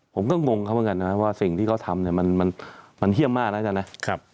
ผมก็งงเขาเหมือนกันนะว่าสิ่งที่เขาทำเนี่ยมันเยี่ยมมากนะอาจารย์นะ